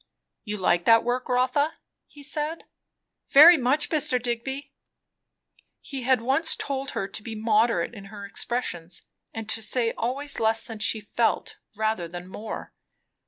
"You like that work, Rotha," he said. "Very much, Mr. Digby!" He had once told her to be moderate in her expressions, and to say always less than she felt, rather than more.